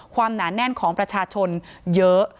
หนาแน่นของประชาชนเยอะ